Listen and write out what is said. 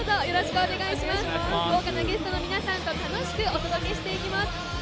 豪華なゲストの皆さんと楽しくお届けしていきます。